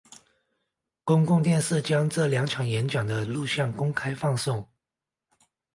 公共电视将这两场演讲的录影公开放送。